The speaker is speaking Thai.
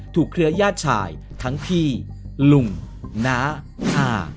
เครือญาติชายทั้งพี่ลุงน้าอ่า